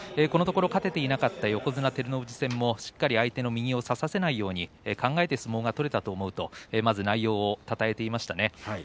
このところ勝てていなかった横綱照ノ富士戦もしっかり相手の右を差させないように考えて相撲が取れたと思うとまず内容をたたえていましたね。